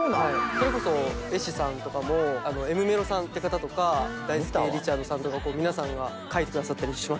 それこそ絵師さんとかもえむめろさんって方とかダイスケリチャードさんとか皆さんが描いてくださったりしました。